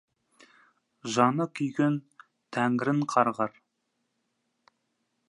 Жаны күйген Тәңірін қарғар.